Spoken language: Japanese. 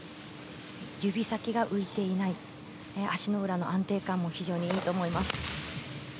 指先が浮いていない足の裏の安定感も非常にいいと思います。